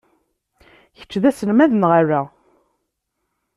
Kečč d aselmad neɣ ala?